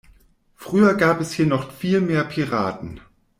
Früher gab es hier noch viel mehr Piraten.